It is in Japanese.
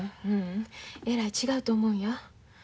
ううんえらい違うと思うんや。